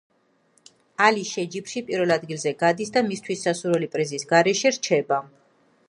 ალი შეჯიბრში პირველ ადგილზე გადის და მისთვის სასურველი პრიზის გარეშე რჩება.